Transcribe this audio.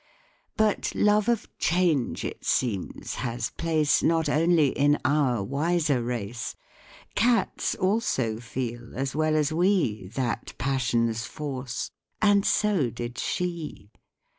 But love of change, it seems, has place Not only in our wiser race; Cats also feel, as well as we, That passion's force, and so did she.